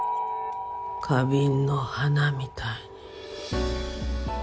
花瓶の花みたいに。